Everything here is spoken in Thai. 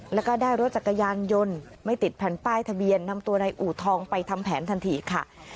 แล้วก็ได้รถจักรยานยนต์ไม่ติดแผ่นป้ายทะเบียนนำตัวในอูทองไปทำแผนทันทีค่ะ